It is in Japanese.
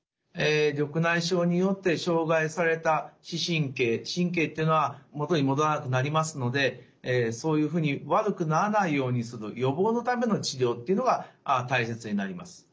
緑内障によって障害された視神経神経というのは元に戻らなくなりますのでそういうふうに悪くならないようにする予防のための治療というのが大切になります。